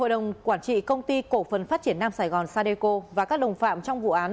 hội đồng quản trị công ty cổ phần phát triển nam sài gòn sadeco và các đồng phạm trong vụ án